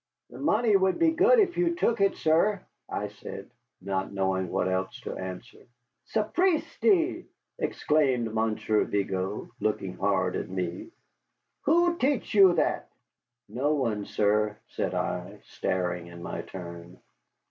"The money would be good if you took it, sir," I said, not knowing what else to answer. "Sapristi!" exclaimed Monsieur Vigo, looking hard at me. "Who teach you that?" "No one, sir," said I, staring in my turn.